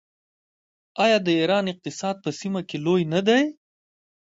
آیا د ایران اقتصاد په سیمه کې لوی نه دی؟